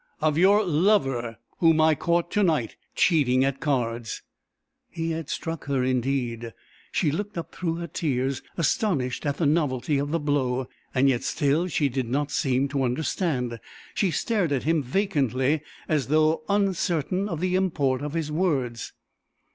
"Of your lover whom I caught to night cheating at cards." He had struck her indeed. She looked up through her tears astonished at the novelty of the blow, and yet still she did not seem to understand. She stared at him vacantly as though uncertain of the import of his words.